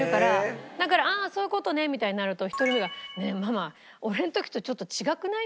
だからああそういう事ねみたいになると１人目が「ねえママ俺の時とちょっと違くない？」